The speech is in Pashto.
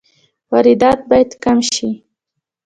واردات باید کم شي